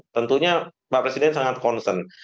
tentunya pak presiden sangat concern